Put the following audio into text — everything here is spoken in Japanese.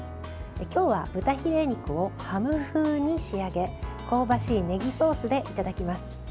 今日は豚ヒレ肉をハム風に仕上げ香ばしいねぎソースでいただきます。